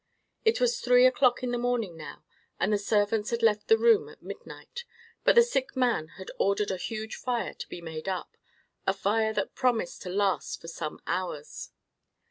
It was three o'clock in the morning now, and the servants had left the room at midnight; but the sick man had ordered a huge fire to be made up—a fire that promised to last for some hours.